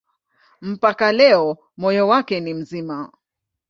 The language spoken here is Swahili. Mpaka leo moyo wake ni mzima.